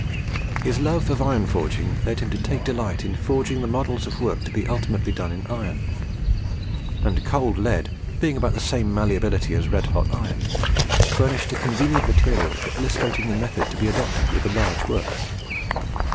His love of iron forging led him to take delight in forging the models of work to be ultimately done in iron; and cold lead being of about the same malleability as red hot iron, furnished a convenient material for illustrating the method to be adopted with the large work.